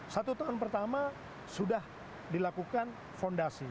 satu tahun pertama sudah dilakukan fondasi